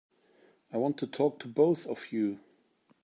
I want to talk to both of you.